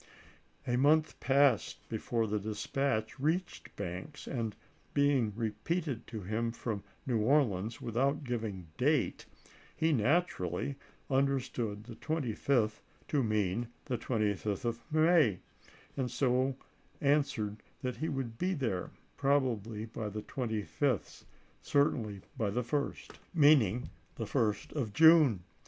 A month passed before the dispatch reached Banks, and, being repeated to him from New Orleans without giving date, he naturally understood the 25th to mean the 25th of May, and so answered that he would be there " probably by the 25th, certainly by the 1st," meaning the 1st of June.